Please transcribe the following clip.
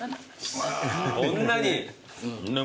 そんなに？